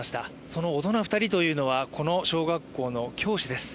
その大人２人というのはこの小学校の教師です